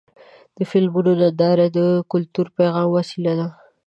د فلمونو نندارې د کلتوري پیغامونو وسیله ده.